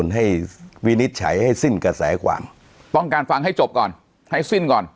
วินิจฉัยให้สิ้นกระแสขวางต้องการฟังให้จบก่อนให้สิ้นก่อน